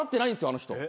あの人。